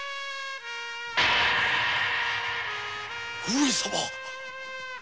上様！